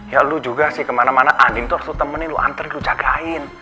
ya lo juga sih kemana mana andin tuh harus temenin lo anterin lo jagain